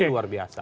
ini luar biasa